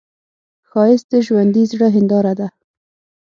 ښایست د ژوندي زړه هنداره ده